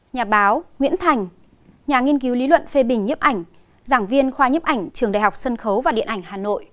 nhà báo nguyễn thành nhà nghiên cứu lý luận phê bình nhấp ảnh giảng viên khoa nhiếp ảnh trường đại học sân khấu và điện ảnh hà nội